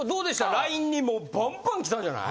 ＬＩＮＥにもうバンバン来たんじゃない？